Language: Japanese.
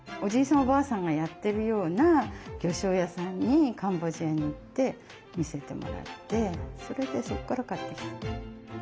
おばあさんがやってるような魚しょう屋さんにカンボジアに行って見せてもらってそれでそこから買ってきた。